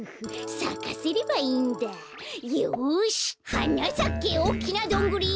「はなさけおっきなどんぐり！」